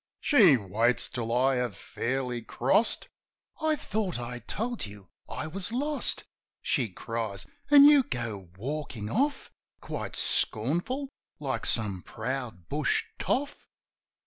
She waits till I have fairly crossed: "I thought I told you I was lost?" She cries. "An' you go walkin' off, Quite scornful, like some proud bush toff